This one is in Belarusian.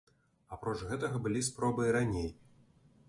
Апроч гэтага, былі спробы і раней.